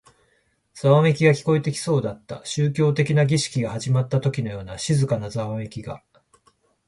ざわめきが聞こえてきそうだった。宗教的な儀式が始まったときのような静かなざわめきが。